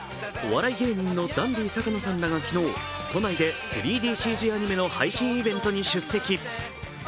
お笑い芸人のダンディ坂野さんらが昨日、都内で３ＤＣＧアニメの配信イベントに出席。